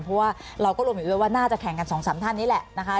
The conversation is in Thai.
เพราะว่าเราก็รวมอยู่ด้วยว่าน่าจะแข่งกัน๒๓ท่านนี้แหละนะคะ